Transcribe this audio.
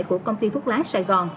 của công ty thuốc lái sài gòn